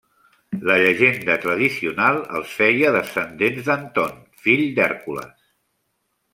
La llegenda tradicional els feia descendents d'Anton, fill d'Hèrcules.